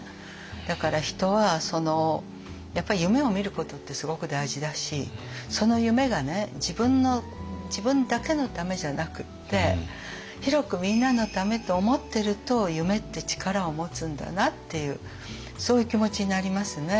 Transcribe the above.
だから人はやっぱり夢をみることってすごく大事だしその夢がね自分の自分だけのためじゃなくって広くみんなのためと思ってると夢って力を持つんだなっていうそういう気持ちになりますね。